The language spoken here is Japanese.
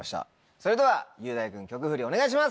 それでは雄大君曲フリお願いします。